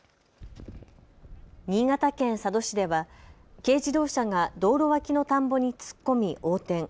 新潟県佐渡市では軽自動車が道路脇の田んぼに突っ込み、横転。